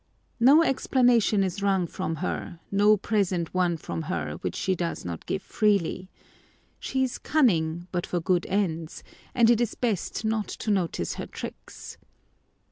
No explanation is wrung from her ; no present won from her, which she does not give freely. She is cunning, but for good ends; and it is best not to notice her tricks.